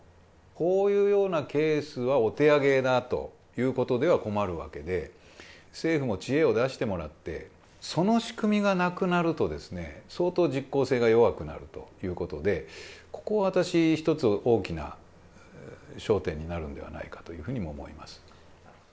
こういうようなケースはお手上げだということでは困るわけで、政府も知恵を出してもらって、その仕組みがなくなると、相当実効性が弱くなるということで、ここは私、一つ大きな焦点になるんではないかというふうにも思います。